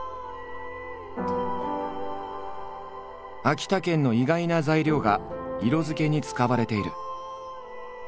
秋田県の意外な材料が色づけに使われている。